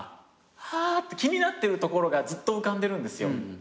ハァって気になってるところがずっと浮かんでるんですよ。